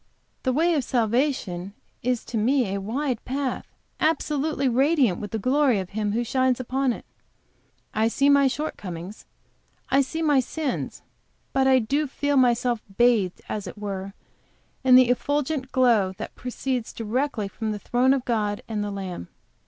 The way of salvation is to me a wide path, absolutely radiant with the glory of Him who shines upon it; I see my shortcomings; I see my sins, but I feel myself bathed, as it were, in the effulgent glow that proceeds directly from the throne of God and the Lamb.